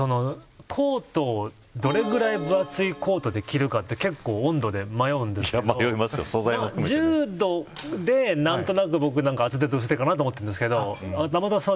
コートをどれぐらい分厚いコートを着るかって結構、温度で迷うんですけど１０度で何となく僕なんかは厚手かなと思ってるんですけど。